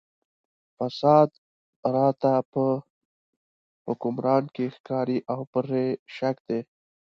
فساد راته په حکمران کې ښکاري او پرې شک دی.